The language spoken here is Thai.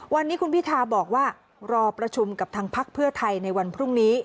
วันนี้คุณพิทาบอกว่ารอประชุมกับทางพักเพื่อไทยในวันพรุ่งนี้